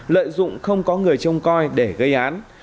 lợi dụng không có người trông coi để gây án